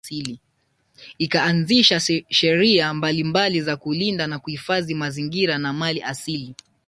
Ikaanzisha sheria mbalimbali za kulinda na kuhifadhi mazingira na mali asili